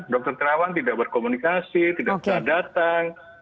dr tirawan tidak berkomunikasi tidak bisa datang